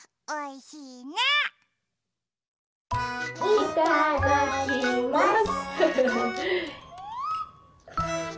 いただきます。